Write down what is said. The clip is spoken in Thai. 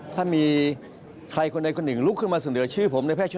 ถ้ามีใครคนใดคนหนึ่งลุกขึ้นมาเสนอชื่อผมในแพทช่วย